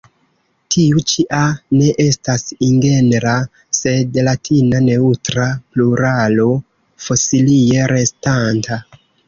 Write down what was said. Tiu ĉi a ne estas ingenra sed latina neŭtra pluralo fosilie restanta.